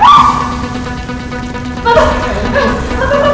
ya pak makasih ya pak